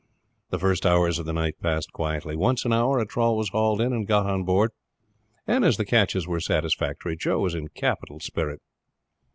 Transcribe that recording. The first hours of the night passed quietly. Once an hour a trawl was hauled in and got on board, and as the catches were satisfactory Joe was in capital spirit.